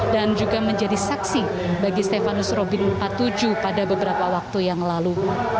dan juga menjadi saksi bagi stefanus robin empat puluh tujuh pada beberapa waktu yang lalu